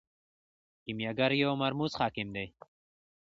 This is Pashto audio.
کیمیاګر یو مرموز حکیم دی.